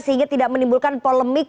sehingga tidak menimbulkan polemik